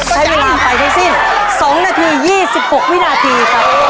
ให้เวลาไปให้สิ้น๒นาที๒๖วินาที